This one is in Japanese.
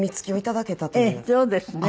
ええそうですね。